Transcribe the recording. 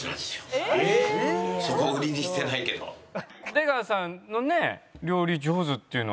出川さんのね。